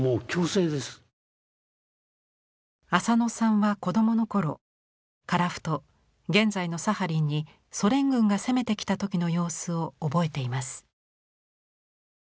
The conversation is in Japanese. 浅野さんは子どもの頃樺太現在のサハリンにソ連軍が攻めてきた時の様子を覚えています。